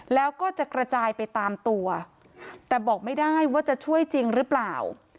แล้วก็จะกระจายไปตามตัวแต่บอกไม่ได้ว่าจะช่วยจริงหรือเปล่า